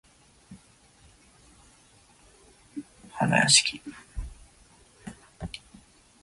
満員電車で、うっかり人の足を踏んじゃった時はなんて謝ればいいんだろう。